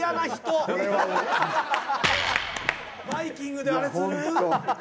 バイキングであれする？